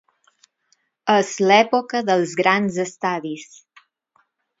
És l'època dels grans estadis.